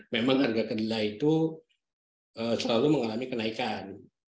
memang harga kedelai itu selalu mengalami kenaikan